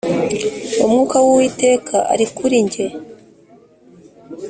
umwuka w’uwiteka ari kurinjye